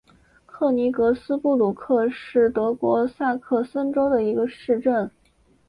克尼格斯布吕克是德国萨克森州的一个市镇。